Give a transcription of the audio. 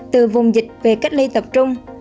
từ vùng dịch về cách ly tập trung